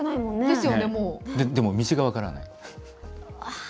でも、道が分からない。